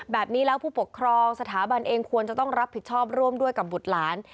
แบบนี้แล้วผู้ปกครองสถาบันเองควรจะต้องรับผิดชอบร่วมด้วยกับบุตรหลาน